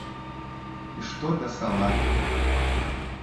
І што да салаты?